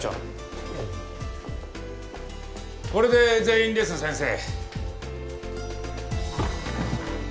これで全員です先生。